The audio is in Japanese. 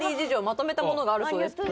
まとめたものがあるそうです